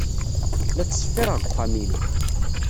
La ttṣeffireɣ deg wexxam-inu.